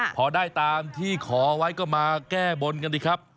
พอได้ตามที่ขอไว้ก็มาแก้บนกันดีครับ